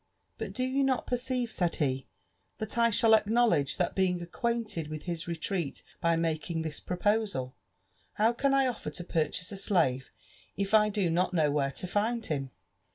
But do you not perceive," Said he, '' that I shall acknowledge the being acquainted with his retreat by making this proposal? How can I offer to purchase a slave if I do not know where lo find him?"